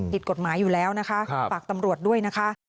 ติดกฎหมายอยู่แล้วนนักกำลักษณ์